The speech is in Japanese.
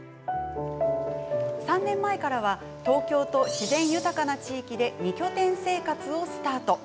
３年前からは東京と自然豊かな地域で２拠点生活をスタート。